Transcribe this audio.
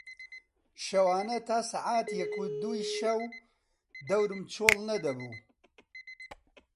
شەوانە تا سەعات یەک و دووی شەو دەورم چۆڵ نەدەبوو